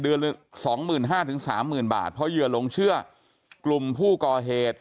เดือน๒๕๐๐๐๓๐๐๐๐บาทเพราะเหยื่อลงเชื่อกลุ่มผู้ก่อเหตุ